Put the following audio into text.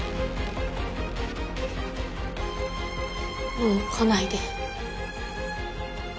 もう来ないで。